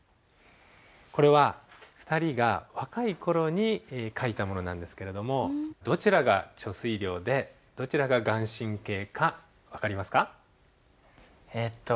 これは２人が若い頃に書いたものなんですけれどもどちらが遂良でどちらが顔真か分かりまえっと